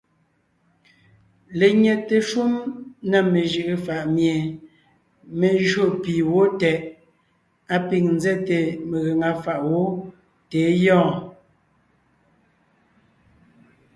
Lenyɛte shúm na mejʉʼʉ faʼ mie mé jÿó pì wó tɛʼ, á pîŋ nzɛ́te megaŋa fàʼ wó tà é gyɔɔn.